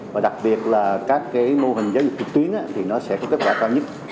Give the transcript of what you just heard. và đặc biệt là các cái mô hình giáo dục trực tuyến thì nó sẽ có kết quả cao nhất